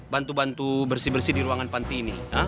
bantu bantu bersih bersih di ruangan panti ini